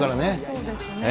そうですね。